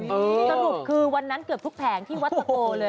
สรุปคือวันนั้นเกือบทุกแผงที่วัดตะโกเลย